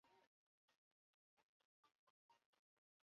代码被分配给一个城市和五个区。